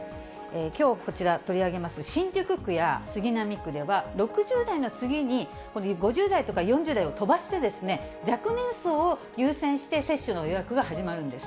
きょう、こちら取り上げます新宿区や杉並区では６０代の次に、５０代とか４０代を飛ばして、若年層を優先して接種の予約が始まるんです。